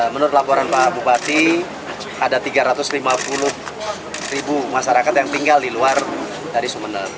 menurut laporan pak bupati ada tiga ratus lima puluh ribu masyarakat yang tinggal di luar dari sumeneb